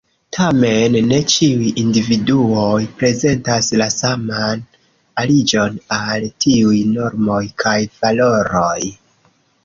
Tamen, ne ĉiuj individuoj prezentas la saman aliĝon al tiuj normoj kaj valoroj.